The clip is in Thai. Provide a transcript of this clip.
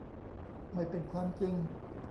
ไม่เป็นความจริง